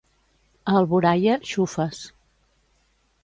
A Alboraia, xufes.